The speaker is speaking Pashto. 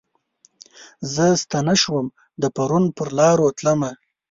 زه ستنه شوم د پرون پرلارو تلمه